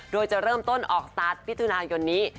โดยจะเริ่มต้นออกสตาร์ทมิถุนายนนี้